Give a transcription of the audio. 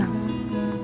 aku malah senang